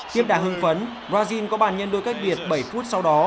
tiếp đà hương phấn brazil có bàn nhân đôi cách việt bảy phút sau đó